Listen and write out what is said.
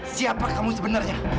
siapa kamu sebenarnya